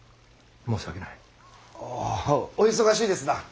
あお忙しいですな。